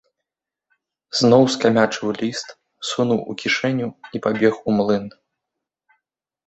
Зноў скамячыў ліст, сунуў у кішэню і пабег у млын.